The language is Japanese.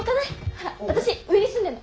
ほら私上に住んでんの。